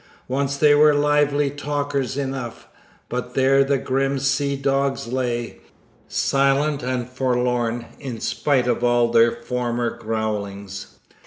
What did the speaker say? Once they were lively talkers enough; but there the grim sea dogs lay, silent and forlorn in spite of all their former growlings.